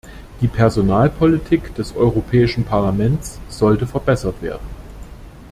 Die Personalpolitik des Europäischen Parlaments sollte verbessert werden.